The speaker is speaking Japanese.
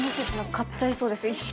買っちゃいそうです、一式。